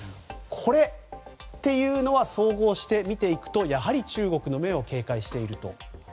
これっていうのは総合して見ていくとやはり中国の目を警戒していると。